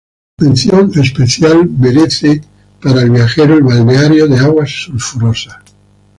Mención especial merece para el viajero el balneario de aguas sulfurosas.